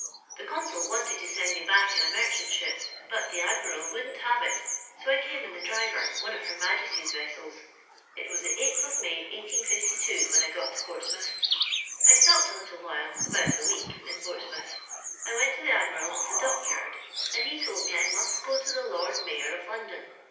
The consul wanted to send me back in a merchant ship, but the Admiral wouldn't have it, so I came in the Driver^ one of Her M:\je»ty'8 vessels. It was the 8th of May, lb{>'2, when I got to Portsmouth. *' I stopped a liltlo while — about a week — in rortsmoutli. I went to the Admiral of the (lockytml, and he told mc I must go to the Lord Mayor of London.